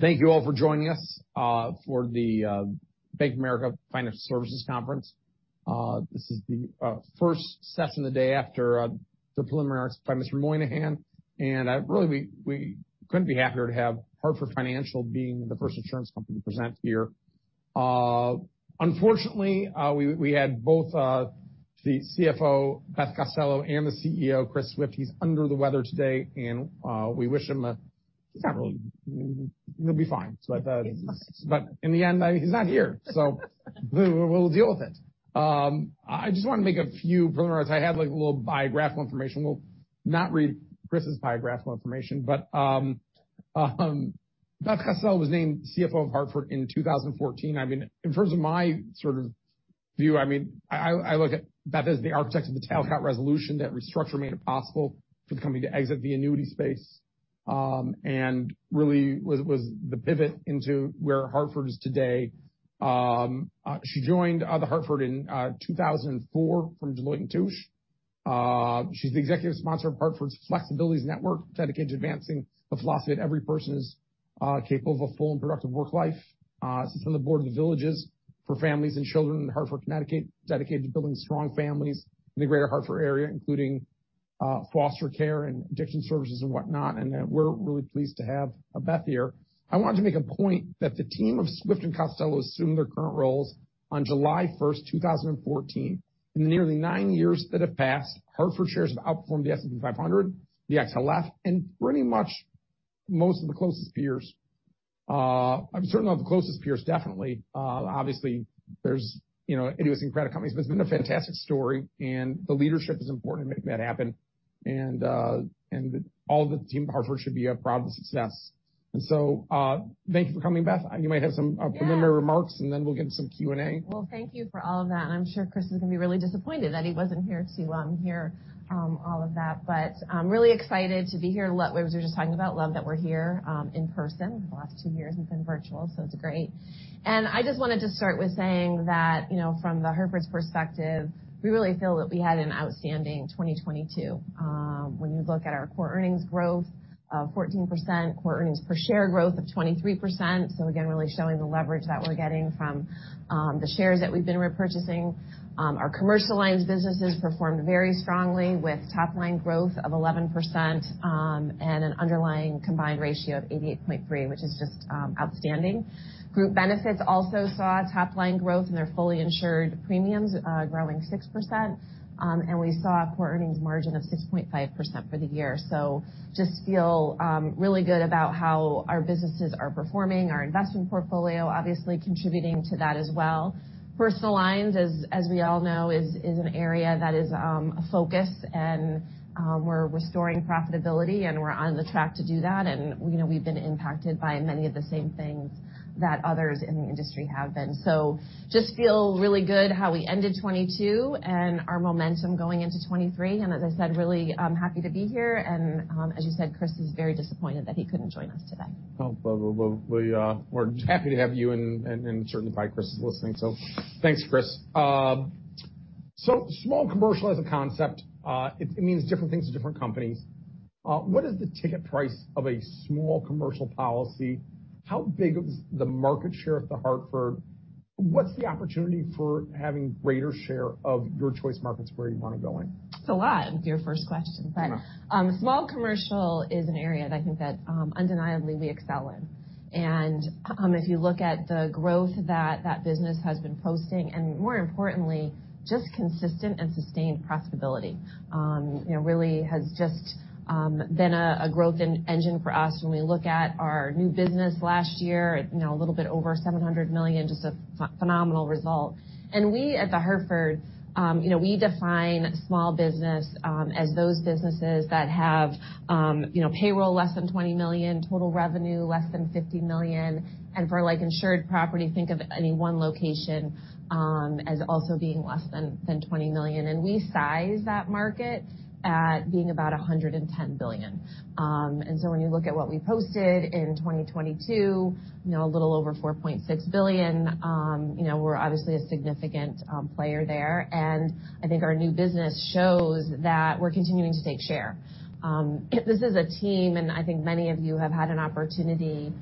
Thank you all for joining us for the Bank of America Financial Services Conference. This is the first session of the day after the preliminaries by Mr. Moynihan. Really, we couldn't be happier to have Hartford Financial being the first insurance company to present here. Unfortunately, we had both the CFO, Beth Costello, and the CEO, Chris Swift. He's under the weather today. We wish him. He'll be fine. In the end, I mean, he's not here, we'll deal with it. I just want to make a few preliminaries. I have, like, a little biographical information. We'll not read Chris' biographical information. Beth Costello was named CFO of The Hartford in 2014. I mean, in terms of my sort of view, I mean, I look at Beth as the architect of the Talcott Resolution. That restructure made it possible for the company to exit the annuity space, and really was the pivot into where The Hartford is today. She joined The Hartford in 2004 from Deloitte & Touche. She's the executive sponsor of The Hartford's Flexibility Network, dedicated to advancing the philosophy that every person is capable of a full and productive work life. Sits on the board of The Village for Families & Children in Hartford, Connecticut, dedicated to building strong families in the greater Hartford area, including foster care and addiction services and whatnot. We're really pleased to have Beth here. I wanted to make a point that the team of Swift and Costello assumed their current roles on July 1, 2014. In the nearly nine years that have passed, The Hartford shares have outperformed the S&P 500, the XLF, and pretty much most of the closest peers. Certainly not the closest peers, definitely. Obviously there's, you know, inducing credit companies, but it's been a fantastic story, and the leadership is important in making that happen. All the team at The Hartford should be proud of the success. Thank you for coming, Beth. Yeah. Preliminary remarks, and then we'll get into some Q&A. Thank you for all of that, and I'm sure Chris is gonna be really disappointed that he wasn't here to hear all of that. I'm really excited to be here. We were just talking about love that we're here in person. The last two years we've been virtual, so it's great. I just wanted to start with saying that, you know, from The Hartford's perspective, we really feel that we had an outstanding 2022. When you look at our core earnings growth of 14%, core earnings per share growth of 23%. Again, really showing the leverage that we're getting from the shares that we've been repurchasing. Our commercial lines businesses performed very strongly with top line growth of 11%, and an underlying combined ratio of 88.3, which is just outstanding. Group Benefits also saw top line growth in their fully insured premiums, growing 6%. We saw a core earnings margin of 6.5% for the year. Just feel really good about how our businesses are performing, our investment portfolio obviously contributing to that as well. Personal lines, as we all know, is an area that is a focus, we're restoring profitability, and we're on the track to do that. You know, we've been impacted by many of the same things that others in the industry have been. Just feel really good how we ended 2022 and our momentum going into 2023. As I said, really happy to be here. As you said, Chris is very disappointed that he couldn't join us today. Well, we're happy to have you and certainly probably Chris is listening. Thanks, Chris. Small commercial as a concept, it means different things to different companies. What is the ticket price of a small commercial policy? How big is the market share at The Hartford? What's the opportunity for having greater share of your choice markets where you wanna go in? It's a lot with your first question. Yeah. Small commercial is an area that I think that undeniably we excel in. If you look at the growth that that business has been posting, and more importantly, just consistent and sustained profitability, you know, really has just been a growth engine for us when we look at our new business last year at, you know, a little bit over $700 million, just a phenomenal result. We at The Hartford, you know, we define small business as those businesses that have, you know, payroll less than $20 million, total revenue less than $50 million. For like, insured property, think of any one location as also being less than $20 million. We size that market at being about $110 billion. When you look at what we posted in 2022, you know, a little over $4.6 billion, you know, we're obviously a significant player there. I think our new business shows that we're continuing to take share. This is a team, and I think many of you have had an opportunity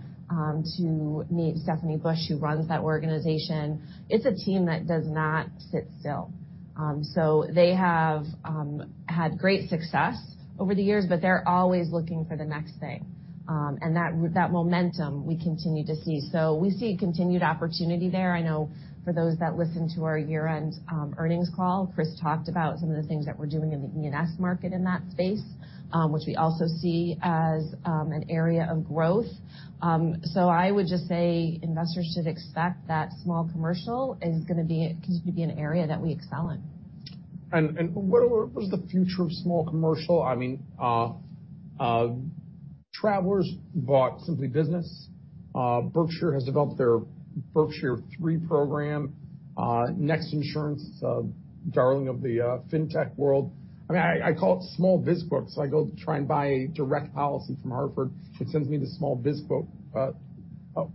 to meet Stephanie Bush, who runs that organization. It's a team that does not sit still. They have had great success over the years, but they're always looking for the next thing. That momentum we continue to see. We see continued opportunity there. I know for those that listened to our year-end earnings call, Chris talked about some of the things that we're doing in the ENS market in that space, which we also see as an area of growth. I would just say investors should expect that Small Commercial is gonna be, continue to be an area that we excel in. What is the future of small commercial? I mean, Travelers bought Simply Business. Berkshire has developed their Berkshire THREE program. Next Insurance, a darling of the fintech world. I mean, I call it Small Biz Quote, so I go to try and buy a direct policy from The Hartford, which sends me to Small Biz Quote. Uh-Oh.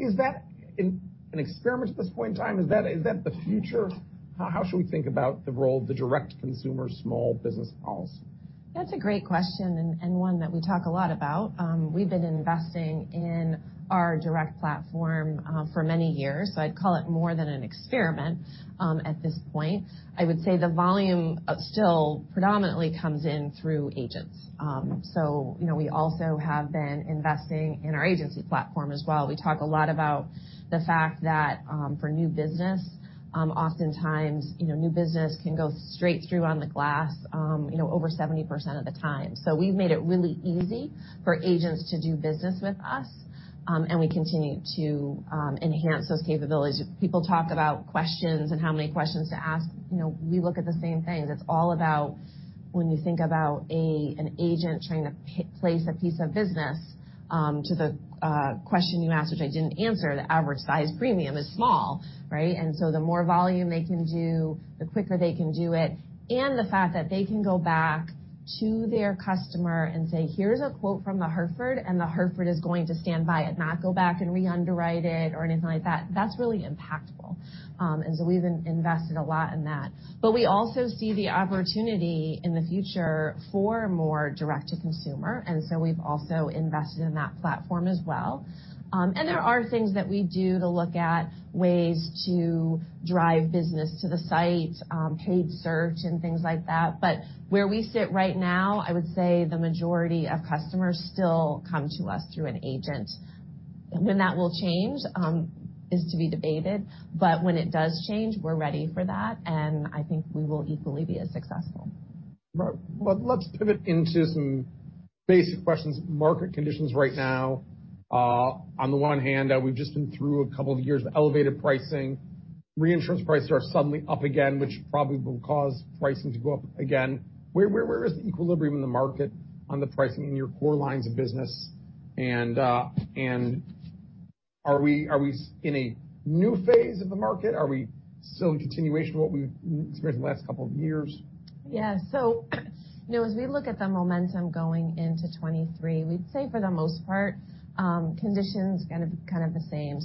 Is that an experiment at this point in time? Is that the future? How should we think about the role of the direct consumer small business models? That's a great question and one that we talk a lot about. We've been investing in our direct platform for many years, so I'd call it more than an experiment at this point. I would say the volume still predominantly comes in through agents. You know, we also have been investing in our agency platform as well. We talk a lot about the fact that for new business, oftentimes, you know, new business can go straight through on the glass, you know, over 70% of the time. We've made it really easy for agents to do business with us, and we continue to enhance those capabilities. People talk about questions and how many questions to ask. You know, we look at the same things. It's all about when you think about an agent trying to place a piece of business, to the question you asked, which I didn't answer, the average size premium is small, right? The more volume they can do, the quicker they can do it, and the fact that they can go back to their customer and say, "Here's a quote from The Hartford, and The Hartford is going to stand by it, not go back and re-underwrite it or anything like that," that's really impactful. We've invested a lot in that. We also see the opportunity in the future for more direct to consumer, we've also invested in that platform as well. There are things that we do to look at ways to drive business to the site, paid search and things like that. Where we sit right now, I would say the majority of customers still come to us through an agent. When that will change, is to be debated, but when it does change, we're ready for that, and I think we will equally be as successful. Right. Well, let's pivot into some basic questions. Market conditions right now, on the one hand, we've just been through a couple of years of elevated pricing. Reinsurance prices are suddenly up again, which probably will cause pricing to go up again. Where is the equilibrium in the market on the pricing in your core lines of business? Are we in a new phase of the market? Are we still in continuation of what we've experienced the last couple of years? Yeah. you know, as we look at the momentum going into 2023, we'd say for the most part, conditions kind of the same.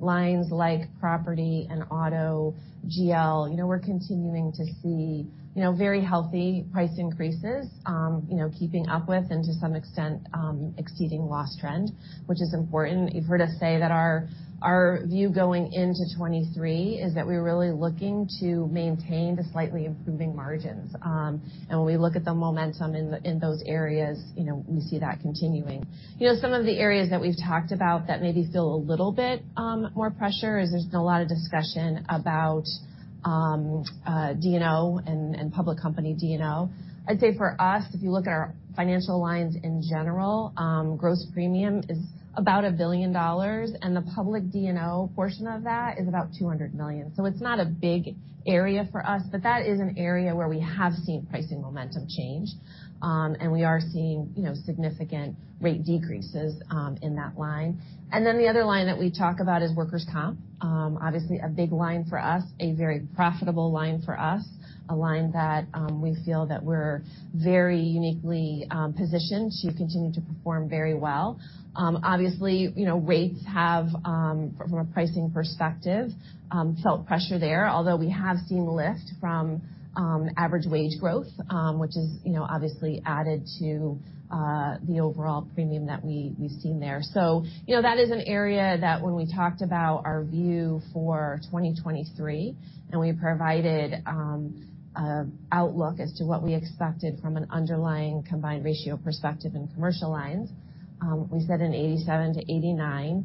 lines like property and auto, GL, you know, we're continuing to see, you know, very healthy price increases, you know, keeping up with and to some extent, exceeding loss trend, which is important. You've heard us say that our view going into 2023 is that we're really looking to maintain the slightly improving margins. When we look at the momentum in those areas, you know, we see that continuing. You know, some of the areas that we've talked about that may be feel a little bit, more pressure is there's been a lot of discussion about D&O and public company D&O. I'd say for us, if you look at our financial lines in general, gross premium is about $1 billion, and the public D&O portion of that is about $200 million. It's not a big area for us, but that is an area where we have seen pricing momentum change. We are seeing, you know, significant rate decreases, in that line. The other line that we talk about is workers' comp. Obviously a big line for us, a very profitable line for us, a line that, we feel that we're very uniquely, positioned to continue to perform very well. Obviously, you know, rates have, from a pricing perspective, felt pressure there, although we have seen lift from average wage growth, which is, you know, obviously added to the overall premium that we've seen there. You know, that is an area that when we talked about our view for 2023, and we provided outlook as to what we expected from an underlying combined ratio perspective in commercial lines, we said in 87-89.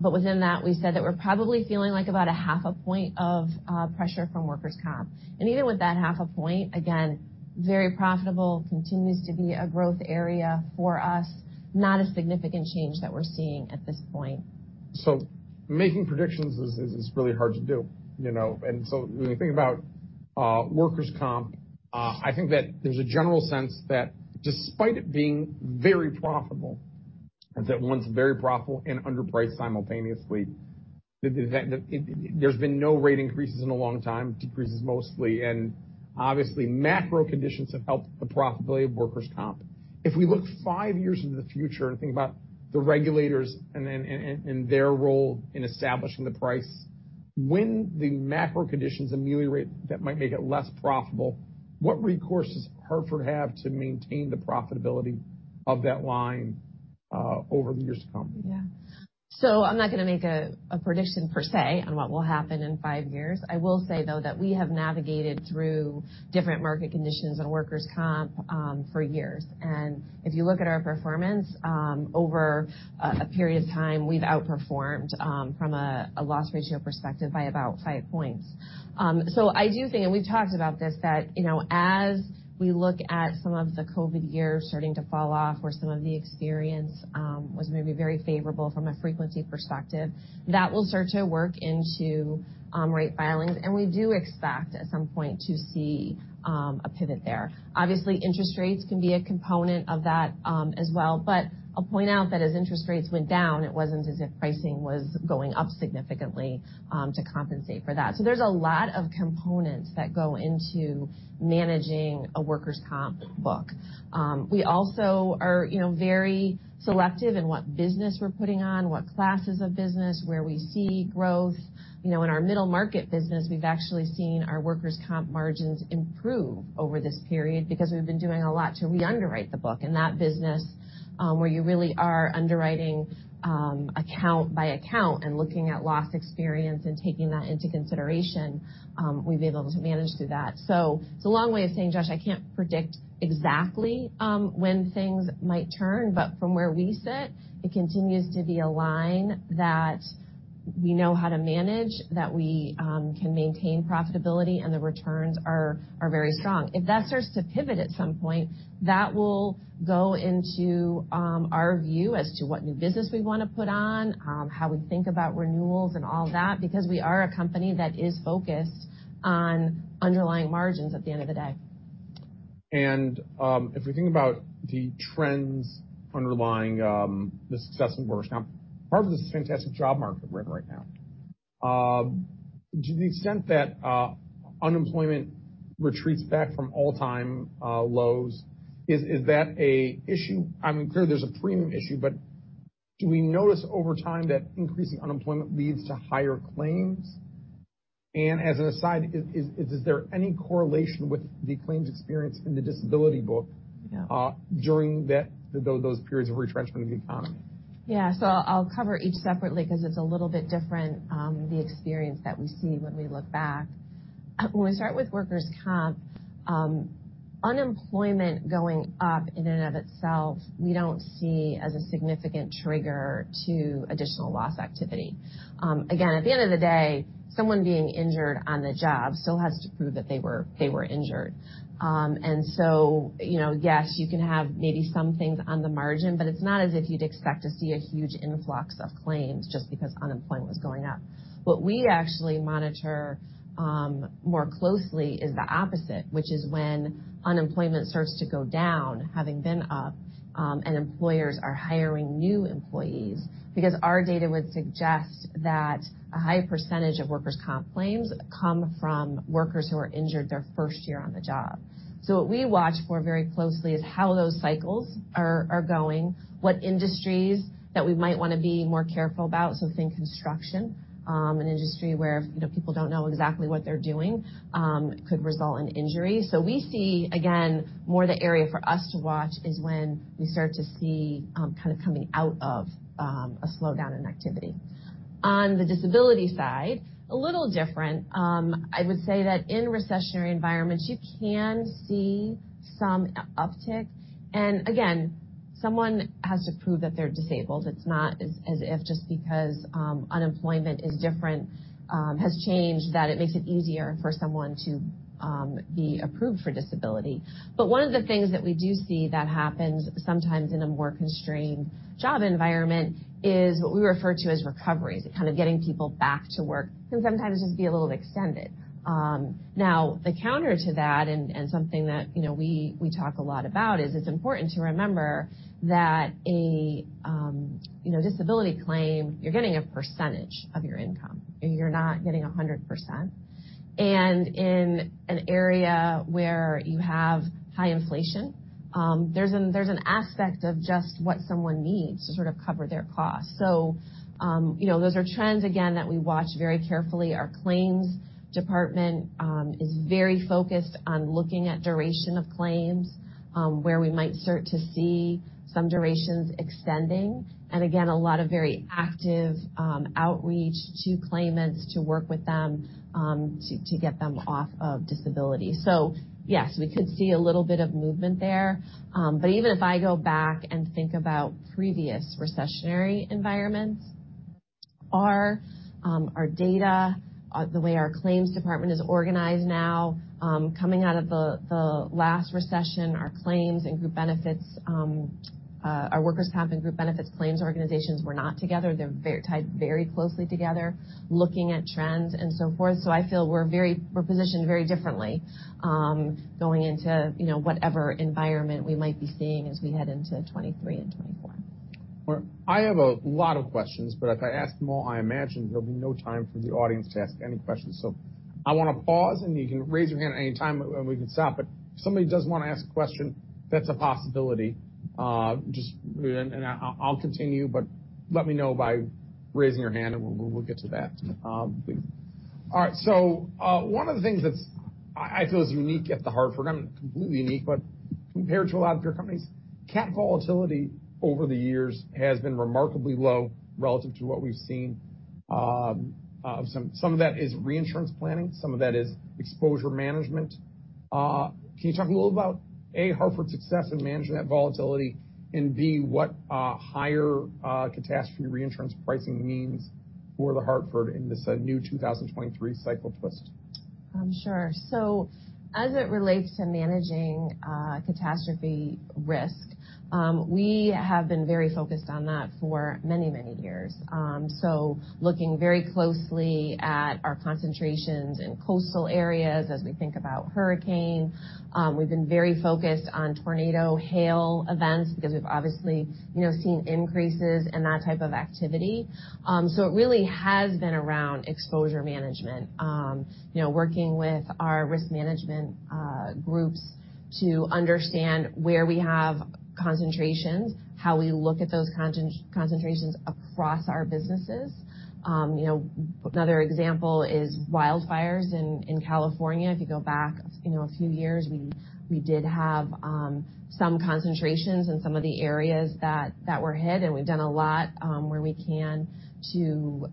But within that, we said that we're probably feeling like about a half a point of pressure from workers' comp. Even with that half a point, again, very profitable, continues to be a growth area for us, not a significant change that we're seeing at this point. Making predictions is really hard to do, you know? When you think about workers' comp, I think that there's a general sense that despite it being very profitable, that one's very profitable and underpriced simultaneously, there's been no rate increases in a long time, decreases mostly. Obviously, macro conditions have helped the profitability of workers' comp. If we look five years into the future and think about the regulators and their role in establishing the price, when the macro conditions ameliorate, that might make it less profitable, what recourse does Hartford have to maintain the profitability of that line? Over the years to come. Yeah. I'm not gonna make a prediction per se on what will happen in five years. I will say, though, that we have navigated through different market conditions in workers' comp for years. If you look at our performance over a period of time, we've outperformed from a loss ratio perspective by about five points. I do think, and we've talked about this, that, you know, as we look at some of the COVID years starting to fall off, where some of the experience was maybe very favorable from a frequency perspective, that will start to work into rate filings, and we do expect at some point to see a pivot there. Obviously, interest rates can be a component of that, as well, but I'll point out that as interest rates went down, it wasn't as if pricing was going up significantly, to compensate for that. There's a lot of components that go into managing a workers' comp book. We also are, you know, very selective in what business we're putting on, what classes of business, where we see growth. You know, in our middle market business, we've actually seen our workers' comp margins improve over this period because we've been doing a lot to re-underwrite the book. In that business, where you really are underwriting, account by account and looking at loss experience and taking that into consideration, we've been able to manage through that. It's a long way of saying, Josh, I can't predict exactly when things might turn, but from where we sit, it continues to be a line that we know how to manage, that we can maintain profitability, and the returns are very strong. If that starts to pivot at some point, that will go into our view as to what new business we wanna put on, how we think about renewals and all that, because we are a company that is focused on underlying margins at the end of the day. If we think about the trends underlying, the success in workers' comp, part of it is the fantastic job market we're in right now. To the extent that unemployment retreats back from all-time lows, is that an issue? I mean, clearly there's a premium issue, but do we notice over time that increasing unemployment leads to higher claims? As an aside, is there any correlation with the claims experience in the disability book. Yeah. During those periods of retrenchment of the economy? Yeah. I'll cover each separately 'cause it's a little bit different, the experience that we see when we look back. When we start with workers' comp, unemployment going up in and of itself, we don't see as a significant trigger to additional loss activity. Again, at the end of the day, someone being injured on the job still has to prove that they were injured. You know, yes, you can have maybe some things on the margin, but it's not as if you'd expect to see a huge influx of claims just because unemployment was going up. What we actually monitor, more closely is the opposite, which is when unemployment starts to go down, having been up, and employers are hiring new employees. Our data would suggest that a high percentage of workers' comp claims come from workers who are injured their first year on the job. What we watch for very closely is how those cycles are going, what industries that we might wanna be more careful about, so think construction, an industry where if, you know, people don't know exactly what they're doing, could result in injury. We see, again, more the area for us to watch is when we start to see, kind of coming out of a slowdown in activity. On the disability side, a little different. I would say that in recessionary environments, you can see some uptick. Again, someone has to prove that they're disabled. It's not as if just because unemployment is different, has changed, that it makes it easier for someone to be approved for disability. One of the things that we do see that happens sometimes in a more constrained job environment is what we refer to as recoveries, kind of getting people back to work, can sometimes just be a little extended. Now the counter to that and something that, you know, we talk a lot about is it's important to remember that a, you know, disability claim, you're getting a percentage of your income. You're not getting 100%. In an area where you have high inflation, there's an aspect of just what someone needs to sort of cover their costs. You know, those are trends, again, that we watch very carefully. Our claims department is very focused on looking at duration of claims, where we might start to see some durations extending. Again, a lot of very active outreach to claimants to work with them, to get them off of disability. Yes, we could see a little bit of movement there. Even if I go back and think about previous recessionary environments, our data, the way our claims department is organized now, coming out of the last recession, our claims and Group Benefits, our workers' comp and Group Benefits claims organizations were not together. They're very tied very closely together, looking at trends and so forth. I feel we're positioned very differently, going into, you know, whatever environment we might be seeing as we head into 2023 and 2024. Well, I have a lot of questions, but if I ask them all, I imagine there'll be no time for the audience to ask any questions. I wanna pause, and you can raise your hand at any time and we can stop. If somebody does wanna ask a question, that's a possibility. just and I'll continue, but let me know by raising your hand and we'll get to that. All right. One of the things that I feel it's unique at The Hartford, I mean, completely unique, but compared to a lot of peer companies, cat volatility over the years has been remarkably low relative to what we've seen. Some of that is reinsurance planning, some of that is exposure management. Can you talk a little about, A, Hartford's success in managing that volatility and, B, what higher catastrophe reinsurance pricing means for The Hartford in this new 2023 cycle twist? Sure. As it relates to managing catastrophe risk, we have been very focused on that for many years. Looking very closely at our concentrations in coastal areas as we think about hurricane. We've been very focused on tornado hail events because we've obviously, you know, seen increases in that type of activity. It really has been around exposure management. You know, working with our risk management groups to understand where we have concentrations, how we look at those concentrations across our businesses. You know, another example is wildfires in California. If you go back, you know, a few years, we did have some concentrations in some of the areas that were hit, and we've done a lot where we can to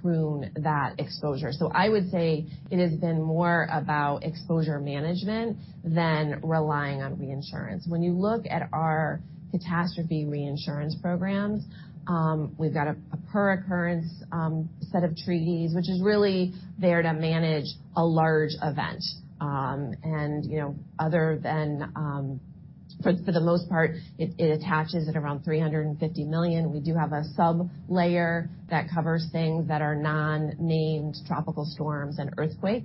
prune that exposure. I would say it has been more about exposure management than relying on reinsurance. When you look at our catastrophe reinsurance programs, we've got a per occurrence set of treaties, which is really there to manage a large event. And, you know, other than, for the most part, it attaches at around $350 million. We do have a sub-layer that covers things that are non-named tropical storms and earthquake,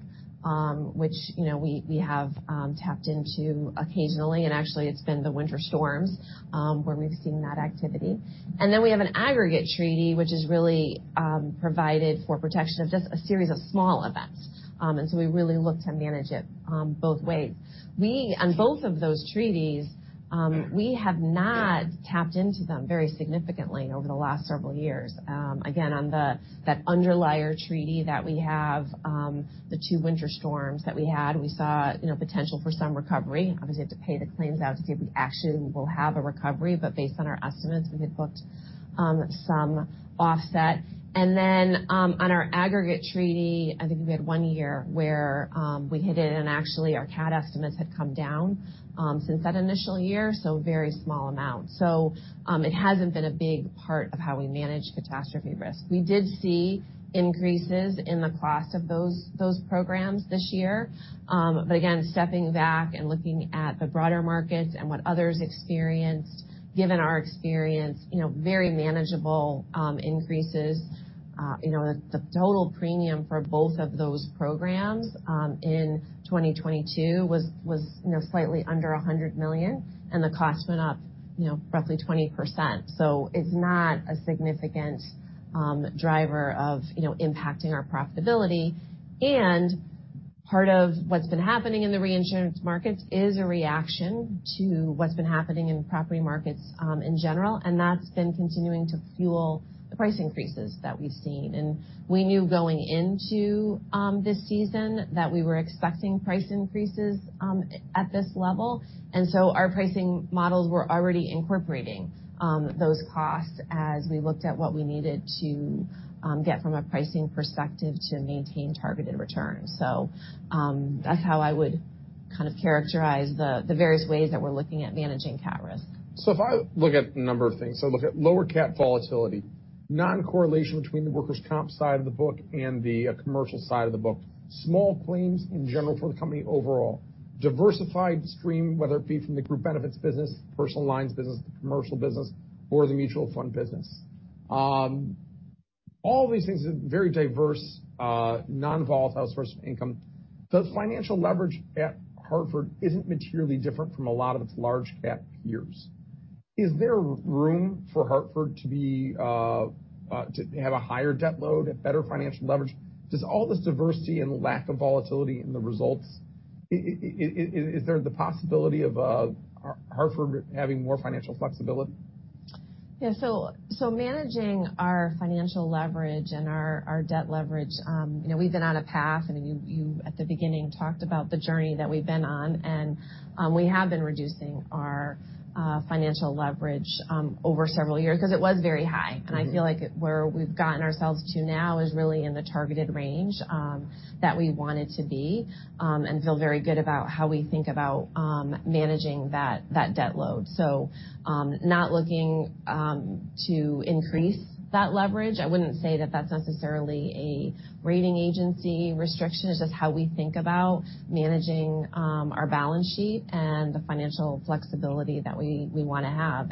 which, you know, we have tapped into occasionally, and actually it's been the winter storms where we've seen that activity. We have an aggregate treaty, which is really provided for protection of just a series of small events. We really look to manage it both ways. On both of those treaties, we have not tapped into them very significantly over the last several years. Again, on that underlier treaty that we have, the two winter storms that we had, we saw, you know, potential for some recovery. Obviously, have to pay the claims out to see if we actually will have a recovery, based on our estimates, we had booked some offset. On our aggregate treaty, I think we had one year where we hit it and actually our cat estimates had come down since that initial year, very small amounts. It hasn't been a big part of how we manage catastrophe risk. We did see increases in the cost of those programs this year. Again, stepping back and looking at the broader markets and what others experienced, given our experience, you know, very manageable increases. You know, the total premium for both of those programs in 2022 was, you know, slightly under $100 million, and the cost went up, you know, roughly 20%. It's not a significant driver of, you know, impacting our profitability. Part of what's been happening in the reinsurance markets is a reaction to what's been happening in property markets in general, and that's been continuing to fuel the price increases that we've seen. We knew going into this season that we were expecting price increases at this level. Our pricing models were already incorporating those costs as we looked at what we needed to get from a pricing perspective to maintain targeted returns. That's how I would kind of characterize the various ways that we're looking at managing cat risk. If I look at a number of things, look at lower cat volatility, non-correlation between the workers' comp side of the book and the commercial side of the book, small claims in general for the company overall, diversified stream, whether it be from the Group Benefits business, personal lines business to commercial business or the mutual fund business. All these things are very diverse, non-volatile source of income. The financial leverage at Hartford isn't materially different from a lot of its large cap peers. Is there room for Hartford to be to have a higher debt load, a better financial leverage? Does all this diversity and lack of volatility in the results, is there the possibility of Hartford having more financial flexibility? Yeah. managing our financial leverage and our debt leverage, you know, we've been on a path, and you at the beginning talked about the journey that we've been on, and we have been reducing our financial leverage over several years 'cause it was very high. Mm-hmm. I feel like where we've gotten ourselves to now is really in the targeted range that we want it to be and feel very good about how we think about managing that debt load. Not looking to increase that leverage. I wouldn't say that that's necessarily a rating agency restriction. It's just how we think about managing our balance sheet and the financial flexibility that we wanna have.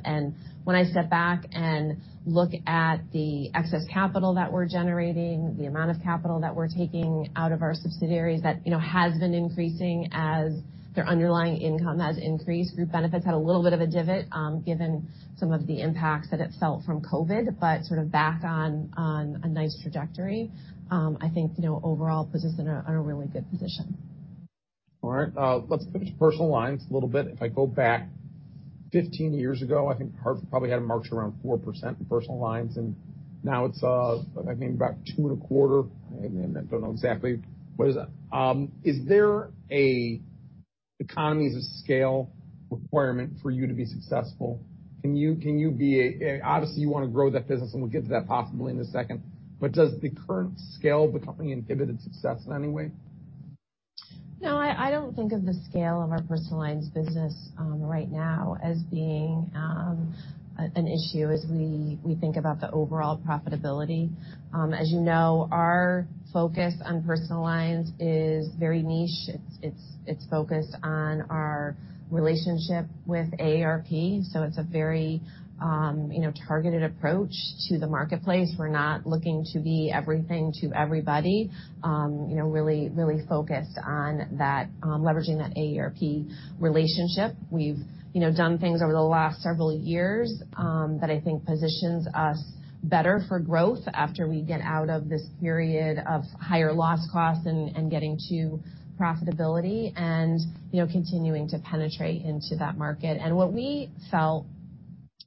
When I step back and look at the excess capital that we're generating, the amount of capital that we're taking out of our subsidiaries, that, you know, has been increasing as their underlying income has increased. Group Benefits had a little bit of a divot given some of the impacts that it felt from COVID, but sort of back on a nice trajectory. I think, you know, overall puts us in a, in a really good position. All right. Let's personal lines a little bit. If I go back 15 years ago, I think The Hartford probably had a margin around 4% in personal lines, and now it's, I think about 2.25%. I don't know exactly what is that. Is there a economies of scale requirement for you to be successful? Can you be... Obviously, you wanna grow that business and we'll get to that possibly in a second. Does the current scale of the company inhibit its success in any way? No, I don't think of the scale of our personal lines business, right now as being an issue as we think about the overall profitability. As you know, our focus on personal lines is very niche. It's focused on our relationship with AARP, so it's a very, you know, targeted approach to the marketplace. We're not looking to be everything to everybody, you know, really focused on that, leveraging that AARP relationship. We've, you know, done things over the last several years, that I think positions us better for growth after we get out of this period of higher loss costs and getting to profitability and, you know, continuing to penetrate into that market. What we felt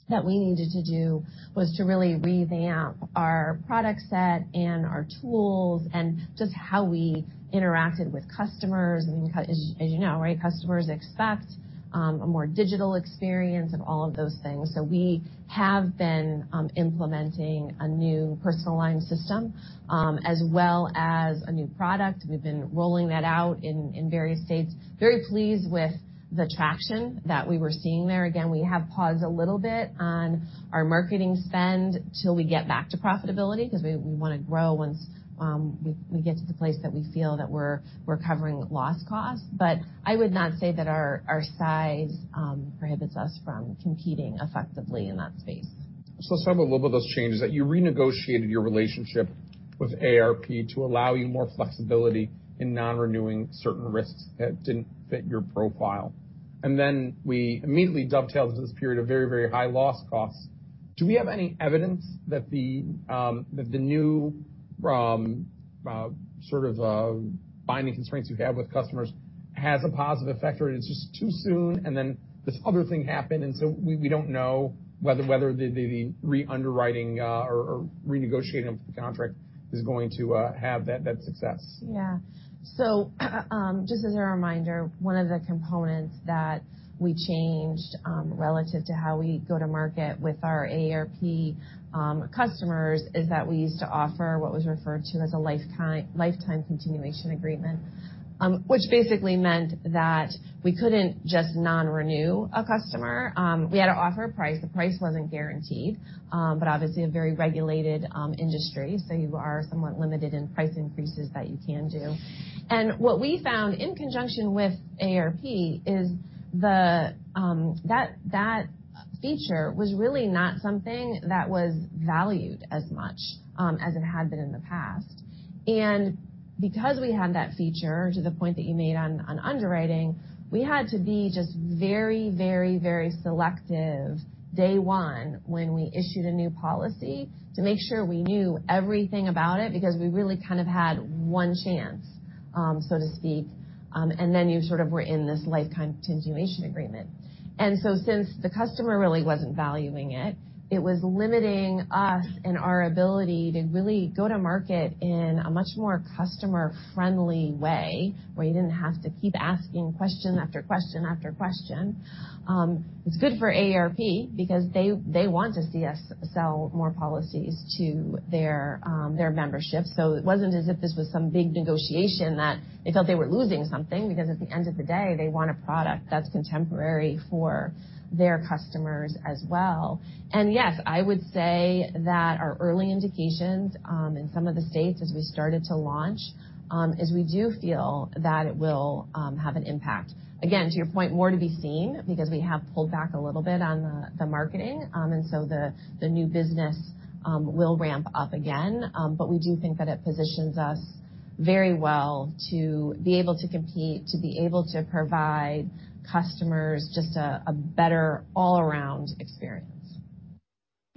that we needed to do was to really revamp our product set and our tools and just how we interacted with customers. I mean, as you know, right, customers expect a more digital experience of all of those things. We have been implementing a new Personal Lines system as well as a new product. We've been rolling that out in various states. Very pleased with the traction that we were seeing there. Again, we have paused a little bit on our marketing spend till we get back to profitability because we want to grow once we get to the place that we feel that we're covering loss costs. I would not say that our size prohibits us from competing effectively in that space. Let's talk a little about those changes, that you renegotiated your relationship with AARP to allow you more flexibility in non-renewing certain risks that didn't fit your profile. We immediately dovetailed into this period of very high loss costs. Do we have any evidence that the new sort of binding constraints you have with customers has a positive effect, or it's just too soon, and then this other thing happened, and so we don't know whether the re-underwriting or renegotiating of the contract is going to have that success? Yeah. Just as a reminder, one of the components that we changed relative to how we go to market with our AARP customers is that we used to offer what was referred to as a Lifetime Continuation Agreement, which basically meant that we couldn't just non-renew a customer. We had to offer a price. The price wasn't guaranteed, but obviously a very regulated industry, so you are somewhat limited in price increases that you can do. What we found in conjunction with AARP is the, that feature was really not something that was valued as much as it had been in the past. Because we had that feature, to the point that you made on underwriting, we had to be just very, very, very selective day 1 when we issued a new policy to make sure we knew everything about it because we really kind of had one chance, so to speak, and then you sort of were in this Lifetime Continuation Agreement. Since the customer really wasn't valuing it was limiting us and our ability to really go to market in a much more customer-friendly way where you didn't have to keep asking question after question after question. It's good for AARP because they want to see us sell more policies to their membership. It wasn't as if this was some big negotiation that they felt they were losing something because at the end of the day, they want a product that's contemporary for their customers as well. Yes, I would say that our early indications, in some of the states as we started to launch, is we do feel that it will have an impact. Again, to your point, more to be seen because we have pulled back a little bit on the marketing, and so the new business will ramp up again. We do think that it positions us very well to be able to compete, to be able to provide customers just a better all around experience.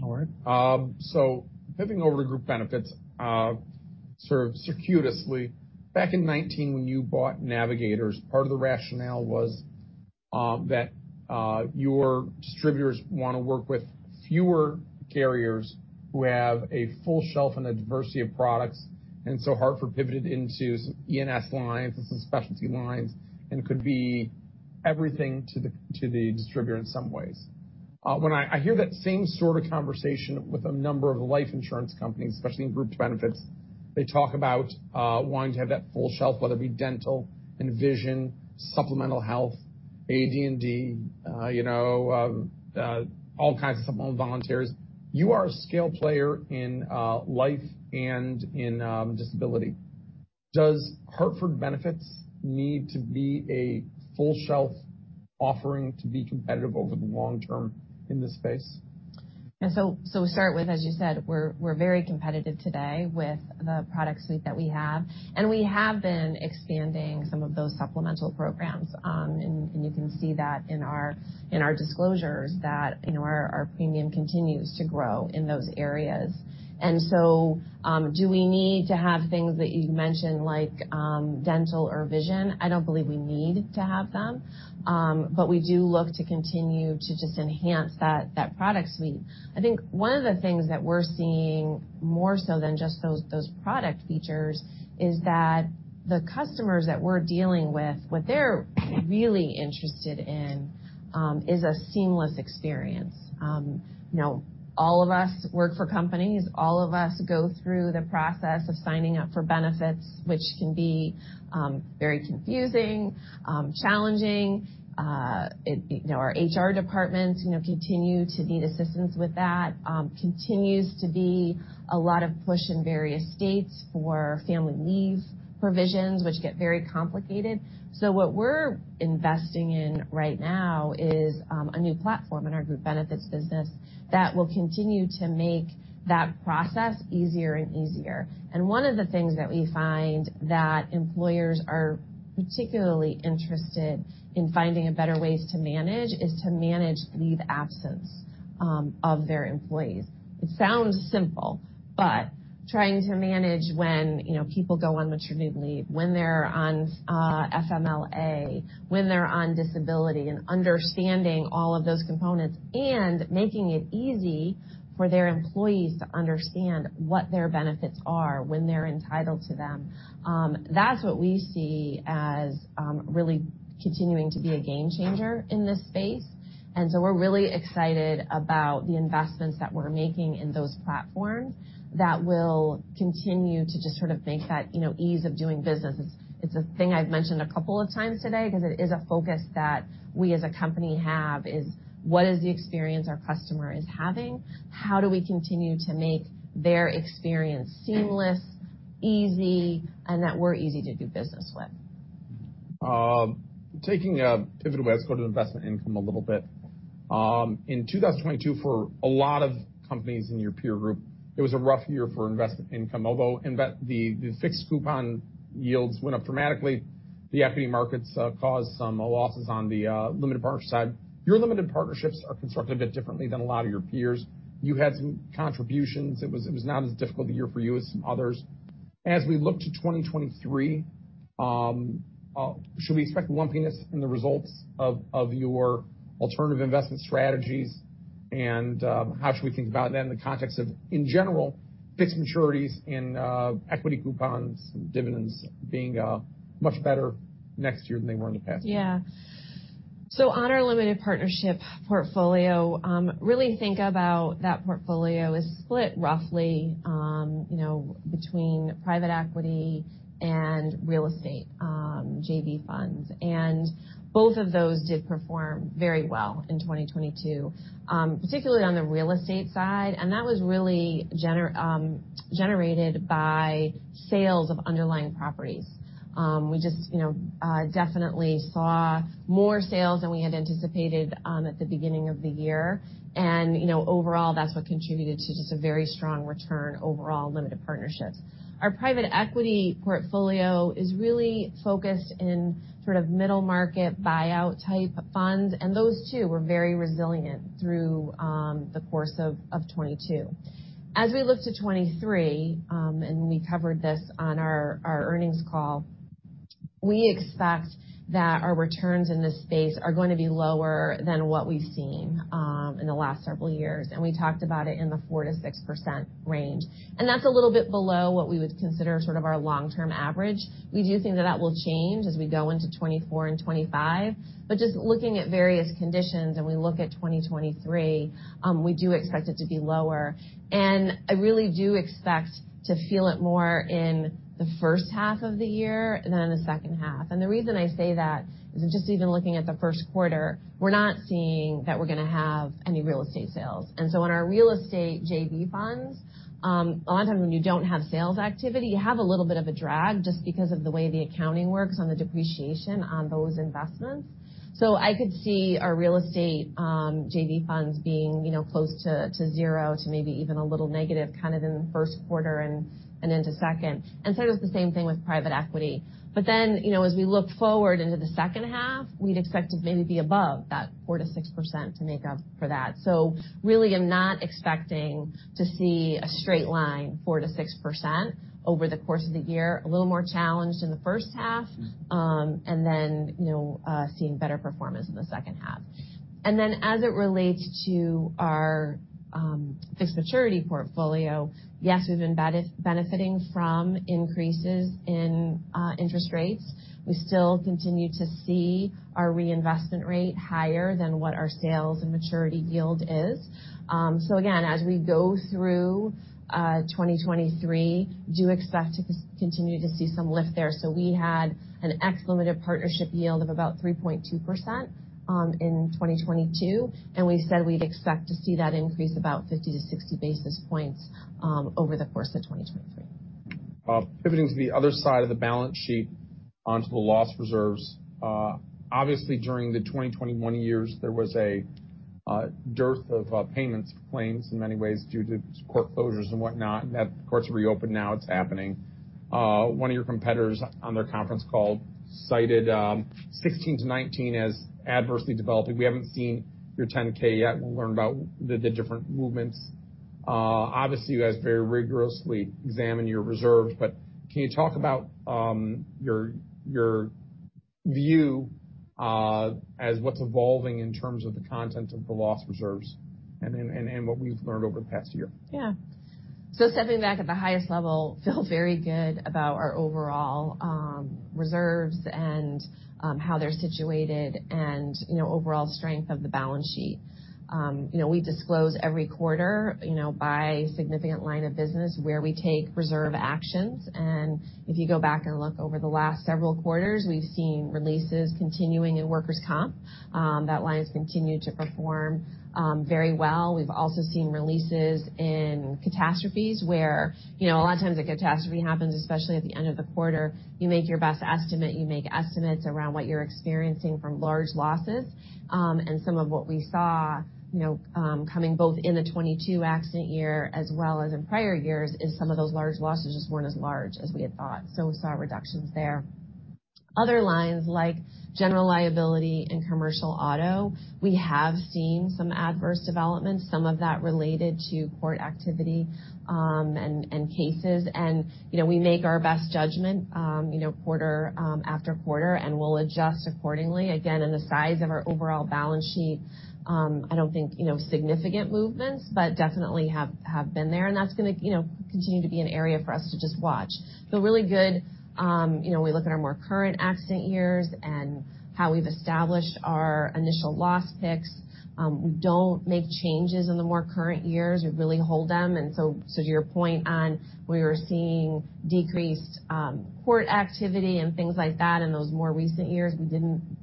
All right. Pivoting over to Group benefits, sort of circuitously, back in 2019 when you bought Navigators, part of the rationale was that your distributors wanna work with fewer carriers who have a full shelf and a diversity of products. Hartford pivoted into some ENS lines and some specialty lines and could be everything to the distributor in some ways. When I hear that same sort of conversation with a number of life insurance companies, especially in Group Benefits. They talk about wanting to have that full shelf, whether it be dental and vision, supplemental health, AD&D, you know, all kinds of supplemental voluntaries. You are a scale player in life and in disability. Does Hartford benefits need to be a full shelf offering to be competitive over the long term in this space? We start with, as you said, we're very competitive today with the product suite that we have, and we have been expanding some of those supplemental programs. You can see that in our disclosures that, you know, our premium continues to grow in those areas. Do we need to have things that you mentioned like, dental or vision? I don't believe we need to have them. We do look to continue to just enhance that product suite. I think one of the things that we're seeing more so than just those product features is that the customers that we're dealing with, what they're really interested in, is a seamless experience. You know, all of us work for companies. All of us go through the process of signing up for benefits, which can be very confusing, challenging. you know, our HR departments, you know, continue to need assistance with that. continues to be a lot of push in various states for family leave provisions, which get very complicated. What we're investing in right now is a new platform in our Group Benefits business that will continue to make that process easier and easier. One of the things that we find that employers are particularly interested in finding better ways to manage is to manage leave absence of their employees. It sounds simple, but trying to manage when, you know, people go on maternity leave, when they're on FMLA, when they're on disability, and understanding all of those components and making it easy for their employees to understand what their benefits are, when they're entitled to them, that's what we see as really continuing to be a game changer in this space. We're really excited about the investments that we're making in those platforms that will continue to just sort of make that, you know, ease of doing business. It's a thing I've mentioned a couple of times today 'cause it is a focus that we as a company have, is what is the experience our customer is having? How do we continue to make their experience seamless, easy, and that we're easy to do business with. Taking a pivotal let's go to investment income a little bit. In 2022, for a lot of companies in your peer group, it was a rough year for investment income. Although the fixed coupon yields went up dramatically, the equity markets caused some losses on the limited partnership side. Your limited partnerships are constructed a bit differently than a lot of your peers. You had some contributions. It was not as difficult a year for you as some others. As we look to 2023, should we expect lumpiness in the results of your alternative investment strategies? How should we think about that in the context of, in general, fixed maturities in equity coupons and dividends being much better next year than they were in the past? Yeah. On our limited partnership portfolio, really think about that portfolio is split roughly, you know, between private equity and real estate, JV funds. Both of those did perform very well in 2022, particularly on the real estate side. That was really generated by sales of underlying properties. We just, you know, definitely saw more sales than we had anticipated at the beginning of the year. You know, overall, that's what contributed to just a very strong return overall limited partnerships. Our private equity portfolio is really focused in sort of middle market buyout type of funds, and those two were very resilient through the course of 2022. As we look to 2023, and we covered this on our earnings call, we expect that our returns in this space are going to be lower than what we've seen in the last several years, and we talked about it in the 4%-6% range. That's a little bit below what we would consider sort of our long-term average. We do think that that will change as we go into 2024 and 2025. Just looking at various conditions and we look at 2023, we do expect it to be lower. I really do expect to feel it more in the first half of the year than in the second half. The reason I say that is just even looking at the first quarter, we're not seeing that we're gonna have any real estate sales. On our real estate JV funds, a lot of times when you don't have sales activity, you have a little bit of a drag just because of the way the accounting works on the depreciation on those investments. I could see our real estate JV funds being, you know, close to 0 to maybe even a little negative kind of in the first quarter and into second. As we look forward into the second half, we'd expect to maybe be above that 4%-6% to make up for that. Really am not expecting to see a straight line, 4%-6% over the course of the year, a little more challenged in the first half, and then, you know, seeing better performance in the second half. As it relates to our fixed maturity portfolio, yes, we've been benefiting from increases in interest rates. We still continue to see our reinvestment rate higher than what our sales and maturity yield is. Again, as we go through 2023, do expect to continue to see some lift there. We had an ex limited partnership yield of about 3.2% in 2022, and we said we'd expect to see that increase about 50-60 basis points over the course of 2023. Pivoting to the other side of the balance sheet onto the loss reserves. Obviously, during the 2021 years, there was a dearth of payments for claims in many ways due to court closures and whatnot, and that courts are reopened now, it's happening. One of your competitors on their conference call cited 16-19 as adversely developing. We haven't seen your 10-K yet. We'll learn about the different movements. Obviously, you guys very rigorously examine your reserves, but can you talk about your view as what's evolving in terms of the content of the loss reserves and what we've learned over the past year? Stepping back at the highest level, feel very good about our overall reserves and how they're situated and, you know, overall strength of the balance sheet. You know, we disclose every quarter, you know, by significant line of business where we take reserve actions. If you go back and look over the last several quarters, we've seen releases continuing in workers' comp. That line's continued to perform very well. We've also seen releases in catastrophes where, you know, a lot of times a catastrophe happens, especially at the end of the quarter. You make your best estimate, you make estimates around what you're experiencing from large losses. Some of what we saw, you know, coming both in the 22 accident year as well as in prior years is some of those large losses just weren't as large as we had thought. We saw reductions there. Other lines like general liability and commercial auto, we have seen some adverse developments, some of that related to court activity, and cases. You know, we make our best judgment, you know, quarter after quarter, and we'll adjust accordingly. Again, in the size of our overall balance sheet, I don't think, you know, significant movements, but definitely have been there, and that's gonna, you know, continue to be an area for us to just watch. Really good. You know, we look at our more current accident years and how we've established our initial loss picks. We don't make changes in the more current years. We really hold them. To your point on we were seeing decreased court activity and things like that in those more recent years, we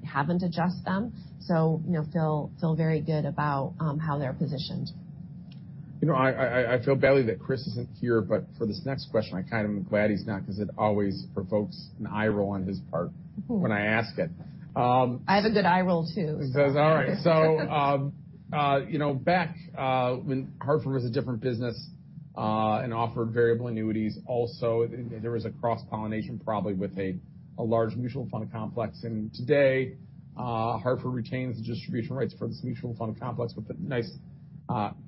haven't adjusted them, so, you know, feel very good about how they're positioned. You know, I feel badly that Chris isn't here. For this next question, I kind of am glad he's not 'cause it always provokes an eye roll on his part when I ask it. I have a good eye roll too. All right. You know, back, when Hartford was a different business, and offered variable annuities also, there was a cross-pollination probably with a large mutual fund complex. Today, Hartford retains the distribution rights for this mutual fund complex with a nice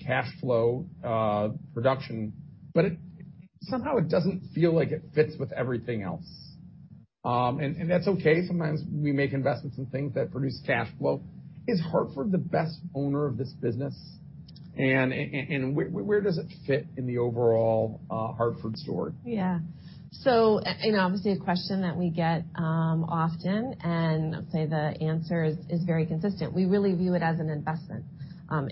cash flow reduction. It somehow doesn't feel like it fits with everything else. That's okay. Sometimes we make investments in things that produce cash flow. Is Hartford the best owner of this business? Where does it fit in the overall Hartford story? You know, obviously a question that we get often, and I'd say the answer is very consistent. We really view it as an investment.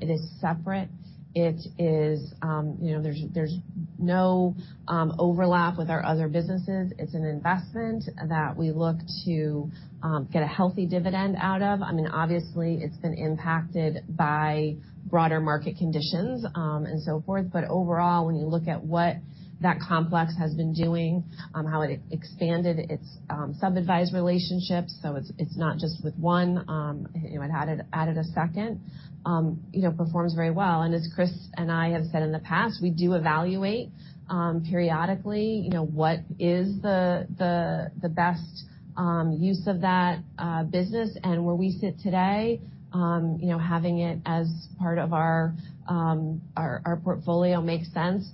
It is separate. It is, you know, there's no overlap with our other businesses. It's an investment that we look to get a healthy dividend out of. I mean, obviously, it's been impacted by broader market conditions, and so forth. Overall, when you look at what that complex has been doing, how it expanded its sub-advised relationships, so it's not just with one, you know, it added a second, you know, performs very well. As Chris and I have said in the past, we do evaluate periodically, you know, what is the best use of that business. Where we sit today, you know, having it as part of our portfolio makes sense.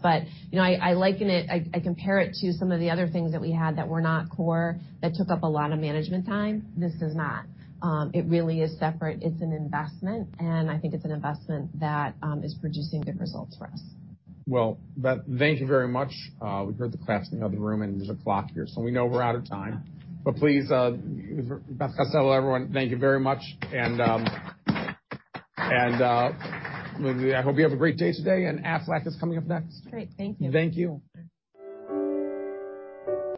You know, I liken it, I compare it to some of the other things that we had that were not core, that took up a lot of management time. This does not. It really is separate. It's an investment, and I think it's an investment that is producing good results for us. Well, Beth, thank you very much. We heard the claps in the other room, and there's a clock here, so we know we're out of time. Please, Beth Costello, everyone. Thank you very much. I hope you have a great day today, and Aflac is coming up next. Great. Thank you. Thank you. Thank you.